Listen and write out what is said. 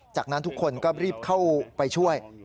จากนั้นทุกคนก็รีบเข้าไปช่วย